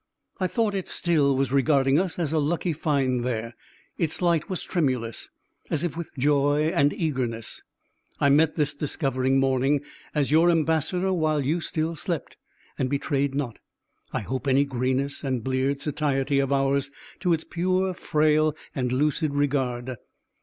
I thought it still was regarding us as a lucky find there. Its light was tremulous, as if with joy and eagerness. I met this discovering morning as your ambassador while you still slept, and betrayed not, I hope, any grayness and bleared satiety of ours to its pure, frail, and lucid regard.